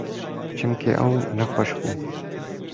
Çimkî ew nexweş bû.